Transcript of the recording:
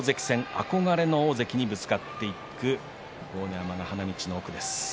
憧れの大関にぶつかっていく豪ノ山が花道の奥です。